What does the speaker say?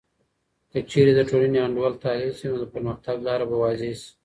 که چیرې د ټولنې انډول تحلیل سي، نو د پرمختګ لاره به واضح سي.